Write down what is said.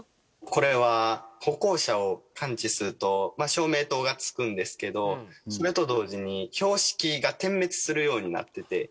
これは歩行者を感知すると照明灯がつくんですけどそれと同時に標識が点滅するようになってて。